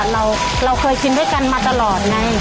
เพราะว่าเราเคยชินด้วยกันมาตลอดไง